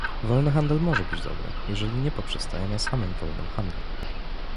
Wolny handel może być dobry, jeżeli nie poprzestaje na samym wolnym handlu